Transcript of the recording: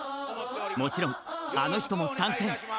もちろん、あの人も参戦。